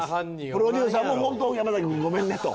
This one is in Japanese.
プロデューサーも本当山崎くんごめんねと。